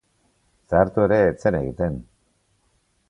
Zahartu ere ez zen egiten.